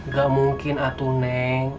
gak mungkin atuh neng